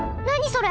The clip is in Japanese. それ。